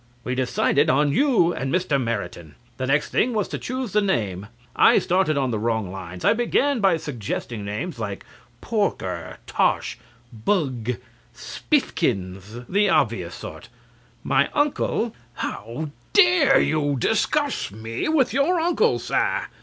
We decided on you and Mr. Meriton. The next thing was to choose the name. I started on the wrong lines. I began by suggesting names like Porker, Tosh, Bugge, Spiffkins the obvious sort. My uncle CRAWSHAW (boiling with indignation). How dare you discuss me with your uncle, Sir!